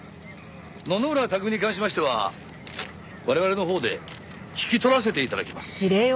野々村拓海に関しましては我々のほうで引き取らせて頂きます。